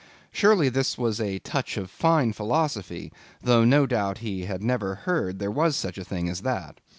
Surely this was a touch of fine philosophy; though no doubt he had never heard there was such a thing as that.